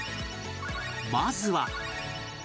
まずは